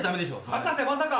博士まさか。